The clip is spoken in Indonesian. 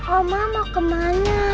oma mau kemana